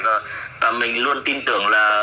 và mình luôn tin tưởng là